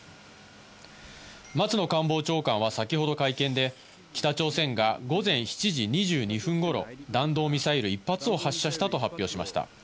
松野官房長官は先ほど会見で、北朝鮮が午前７時２２分頃、弾道ミサイル１発を発射したと発表しました。